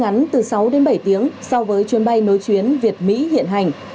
hành trình bay kéo dài sáu đến bảy tiếng so với chuyến bay nối chuyến việt mỹ hiện hành